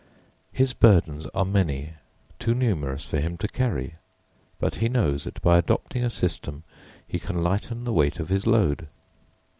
His burdens are many, too numerous for him to carry, but he knows that by adopting a system he can lighten the weight of his load.